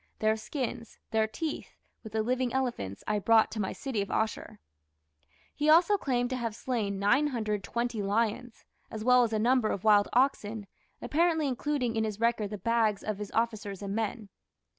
Their skins, their teeth, with the living elephants, I brought to my city of Asshur." He also claimed to have slain 920 lions, as well as a number of wild oxen, apparently including in his record the "bags" of his officers and men.